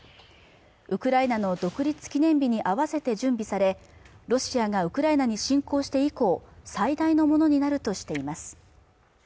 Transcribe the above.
ウクライナの独立記念日に合わせて準備されロシアがウクライナに侵攻して以降最大のものになるとしています